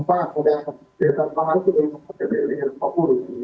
apa pada saat pangkulan itu dijalankan pnl